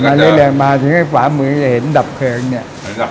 มาเรียกมาซึ่งเห็นขวามือก็จะเห็นดับเพิ่งเนี่ย